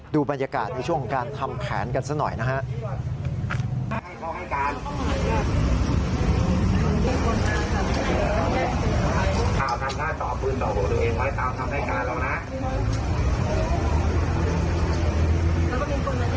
ดูบรรยากาศในช่วงการทำแผนกันสักหน่อยนะครับ